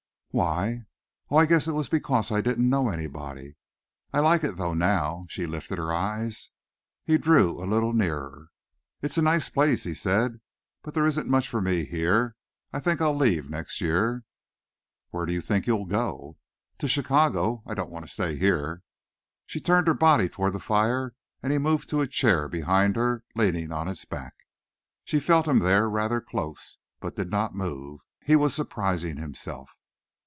"Why?" "Oh, I guess it was because I didn't know anybody. I like it though, now." She lifted her eyes. He drew a little nearer. "It's a nice place," he said, "but there isn't much for me here. I think I'll leave next year." "Where do you think you'll go?" "To Chicago. I don't want to stay here." She turned her body toward the fire and he moved to a chair behind her, leaning on its back. She felt him there rather close, but did not move. He was surprising himself.